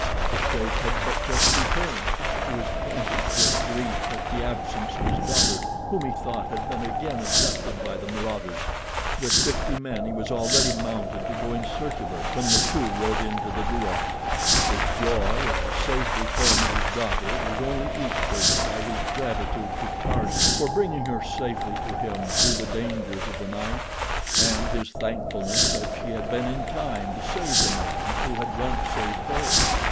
The sheik had but just returned. He was frantic with grief at the absence of his daughter, whom he thought had been again abducted by the marauders. With fifty men he was already mounted to go in search of her when the two rode into the douar. His joy at the safe return of his daughter was only equaled by his gratitude to Tarzan for bringing her safely to him through the dangers of the night, and his thankfulness that she had been in time to save the man who had once saved her.